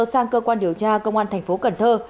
sang cơ quan điều tra công an thành phố cần thơ